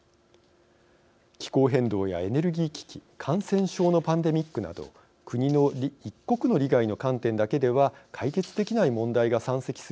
気候変動やエネルギー危機感染症のパンデミックなど一国の利害の観点だけでは解決できない問題が山積する